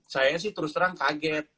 saya sih terus terang kaget